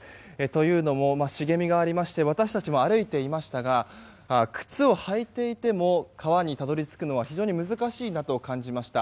というのも茂みがありまして私たちも歩いていましたが靴を履いていても川にたどり着くのは非常に難しいなと感じました。